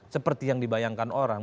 seperti yang dibayangkan orang